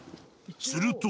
すると。